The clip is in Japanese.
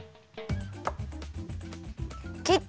きった